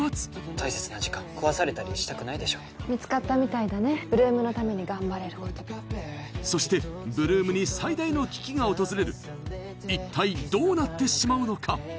大切な時間壊されたりしたくないでしょ見つかったみたいだね８ＬＯＯＭのために頑張れることそして８ＬＯＯＭに最大の危機が訪れる一体どうなってしまうのか？